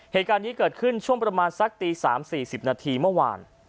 เหตุการณ์นี้เกิดขึ้นช่วงประมาณสักตี๓๔๐นาทีเมื่อวาน